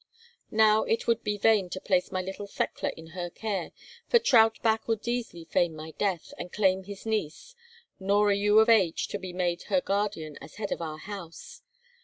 Now, it would be vain to place my little Thekla in her care, for Trautbach would easily feign my death, and claim his niece, nor are you of age to be made her guardian as head of our house.